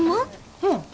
うん。